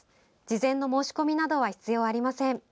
事前の申し込みなどは必要ありません。